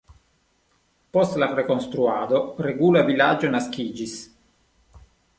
Post la rekonstruado regula vilaĝo naskiĝis.